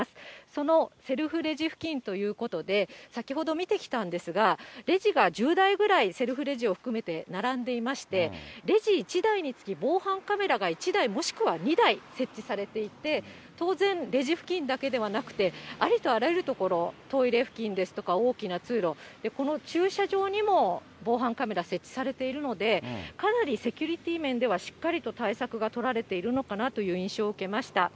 そのセルフレジ付近ということで、先ほど見てきたんですが、レジが１０台ぐらい、セルフレジを含めて並んでいまして、レジ１台につき、防犯カメラが１台、もしくは２台設置されていて、当然、レジ付近だけではなくて、ありとあらゆる所、トイレ付近ですとか、大きな通路、この駐車場にも防犯カメラ、設置されているので、かなりセキュリティー面では、しっかりと対策が取られているのかなという印象を受けました。